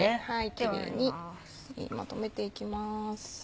キレイにまとめていきます。